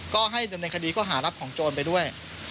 ก็ให้ดำเนินคดีก็หารับของโจรไปด้วย